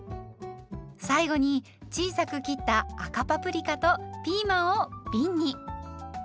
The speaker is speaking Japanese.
最後に小さく切った赤パプリカとピーマンをびんに。